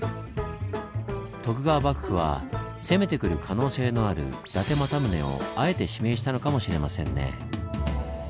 徳川幕府は攻めてくる可能性のある伊達政宗をあえて指名したのかもしれませんね。